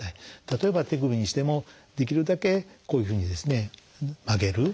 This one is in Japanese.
例えば手首にしてもできるだけこういうふうに曲げる。